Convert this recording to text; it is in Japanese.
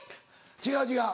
違う違う。